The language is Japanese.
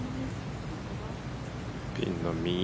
ピンの右